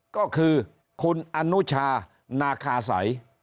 ก็คือคุณอนุชานาคาสัย